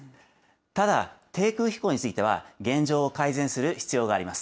ただ、低空飛行については現状を改善する必要があります。